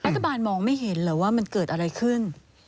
มองไม่เห็นเหรอว่ามันเกิดอะไรขึ้น